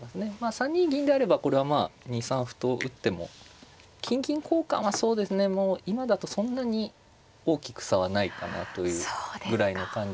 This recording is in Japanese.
３二銀であればこれはまあ２三歩と打っても金銀交換はそうですねもう今だとそんなに大きく差はないかなというぐらいの感じです。